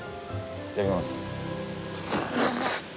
いただきます。